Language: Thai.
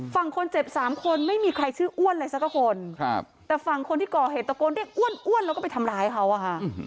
ฝั่งคนเจ็บสามคนไม่มีใครชื่ออ้วนเลยสักคนครับแต่ฝั่งคนที่ก่อเหตุตะโกนเรียกอ้วนอ้วนแล้วก็ไปทำร้ายเขาอะค่ะ